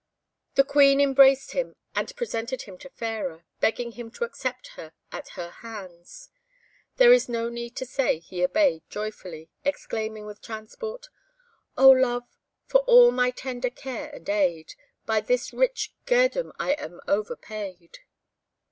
The Queen embraced him, and presented him to Fairer, begging him to accept her at her hands. There is no need to say he obeyed joyfully, exclaiming with transport, "Oh Love! for all my tender care and aid, By this rich guerdon I am overpaid!"